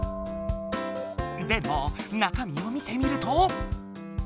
でも中身を見てみると。